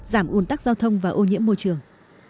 giảm ủn tắc giao thông và ô nhiễm môi trường